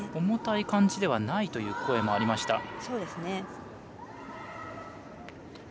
重たい感じではないという声もありました。